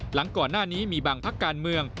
หลังก่อนหน้านี้มีบางพักการเมือง